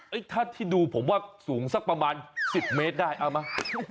เอ๊ะแล้วถ้าที่ดูผมว่าสูงสักประมาณสิบเมตรได้อะมั้ย